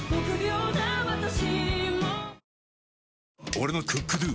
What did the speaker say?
俺の「ＣｏｏｋＤｏ」！